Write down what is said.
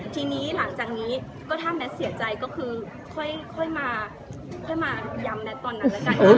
ทีนี้หลังจากนี้ถ้าแมทเสียใจก็คือค่อยมายัมแมทตอนนั้น